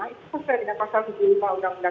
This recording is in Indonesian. itu saya tidak pasal di uu dbt itu